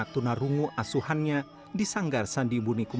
dengarnya kerja aku itu